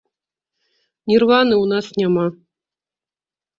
Нірваны ў нас няма!